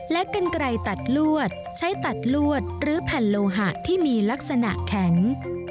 และกันไกลตัดลวดใช้ตัดลวดหรือแผ่นโลหะที่มีลักษณะแข็ง